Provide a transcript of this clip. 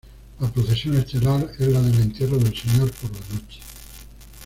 La procesión estelar es la del Entierro del Señor, por la noche.